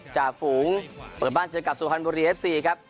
ฝูงเปิดบ้านเจอกับสุพรรณบุรีเอฟซีครับ